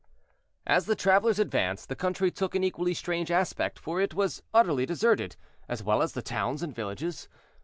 As the travelers advanced, the country took an equally strange aspect, for it was utterly deserted, as well as the towns and villages.